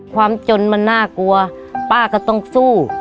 ความจนมันน่ากลัวป้าก็ต้องสู้